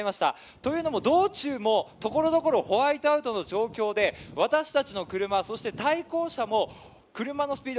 というのも、道中もところどころホワイトアウトの状況で、私たちの車、対向車も車のスピード